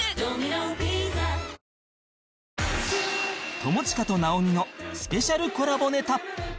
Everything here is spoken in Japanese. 友近と直美のスペシャルコラボネタ